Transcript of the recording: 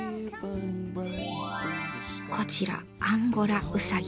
こちらアンゴラウサギ。